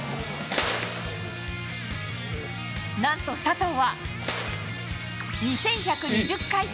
なんと佐藤は２１２０回転。